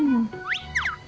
ya wajar dong